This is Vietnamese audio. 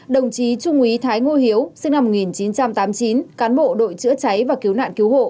đồng chí trung úy thái ngô hiếu sinh năm một nghìn chín trăm tám mươi chín cán bộ đội chữa cháy và cứu nạn cứu hộ